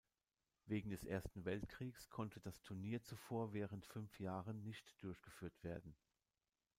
Wegen des Ersten Weltkriegs konnte das Turnier zuvor während fünf Jahren nicht durchgeführt werden.